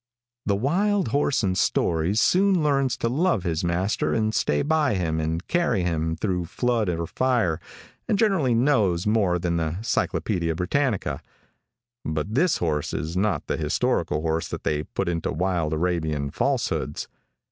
The wild horse in stories soon learns to love his master and stay by him and carry him through flood or fire, and generally knows more than the Cyclopedia Brittanica; but this horse is not the historical horse that they put into wild Arabian falsehoods.